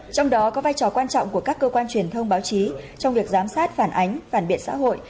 trong đó có vai trò quan trọng của các cơ quan truyền thông báo chí trong việc giám sát phản ánh phản biện xã hội